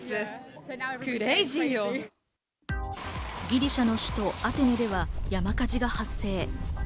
ギリシャの首都アテネでは山火事が発生。